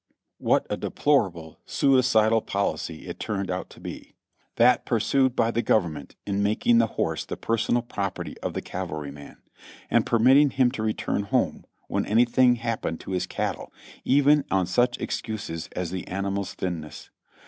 What a deplorable, suicidal policy it turned out to be, that pur sued by the Government in making the horse the personal prop erty of the cavalryman, and permitting him to return home when anything happened to his cattle, even on such excuses as the animal's thinness.